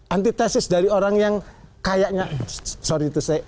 anti tesis dari orang yang kayaknya sorry itu saya